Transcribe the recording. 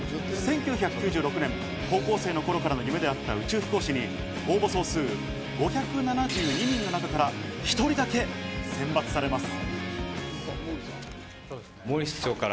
１９９６年、高校生の頃からの夢であった宇宙飛行士に応募総数５７２人の中から１人だけ選抜されます。